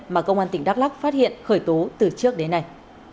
mà công an tỉnh đắk lắc phát hiện khởi tố từ trước đến nay